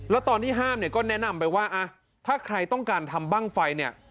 แล้วตอนที่ห้ามก็แนะนำไปว่าถ้าใครต้องการทำบ้างไฟ